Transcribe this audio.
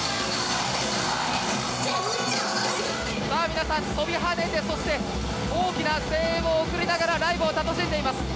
皆さん、跳びはねてそして大きな声援を送りながらライブを楽しんでいます。